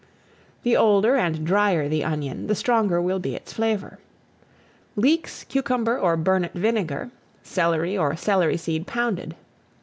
The older and drier the onion, the stronger will be its flavour. Leeks, cucumber, or burnet vinegar; celery or celery seed pounded.